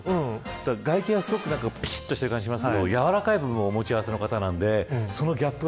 外見はすごくぴちっとしている感じがしますけどやわらかい部分をお持ちの方なので、そのギャップが